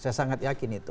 saya sangat yakin itu